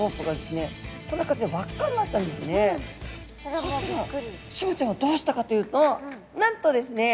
そしたらシマちゃんはどうしたかというとなんとですね